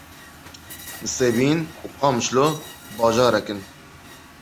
Nisêbîn û Qamişlo bajarek in.